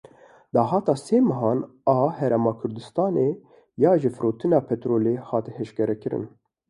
Dahata sê mehan a Herêma Kurdistanê ya ji firotina petrolê hat eşkrekirin.